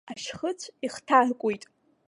Ашьхыҵә ихҭаркуеит.